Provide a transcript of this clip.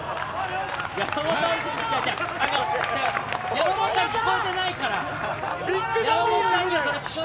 山本さん聞こえてないから。